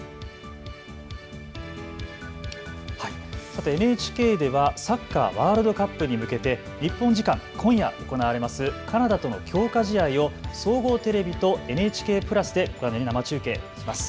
さてＮＨＫではサッカーワールドカップに向けて日本時間今夜行われますカナダとの強化試合を総合テレビとＮＨＫプラスで生中継します。